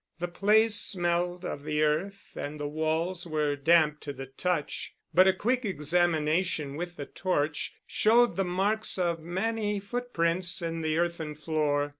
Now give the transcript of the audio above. The place smelled of the earth and the walls were damp to the touch, but a quick examination with the torch showed the marks of many foot prints in the earthen floor.